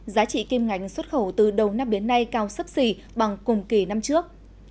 giá trị kim ngành xuất khẩu từ đầu năm đến nay cao sấp xỉ bằng cùng kỳ năm trước